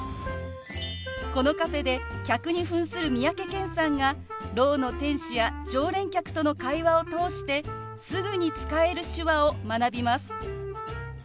このカフェで客に扮する三宅健さんがろうの店主や常連客との会話を通してすぐに使える手話を学びます。